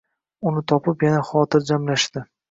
Uni topib yana xotirjamlashdi.